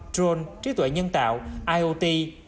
drone trí tuệ nhân tạo iot